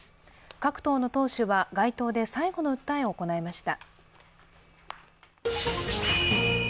各党の党首は街頭で最後の訴えを行いました。